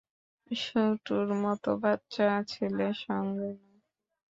শুটুর মত বাচ্চা ছেলের সঙ্গে নয়।